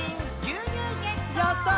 「牛乳ゲット！」